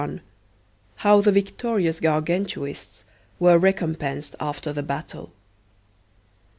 How the victorious Gargantuists were recompensed after the battle.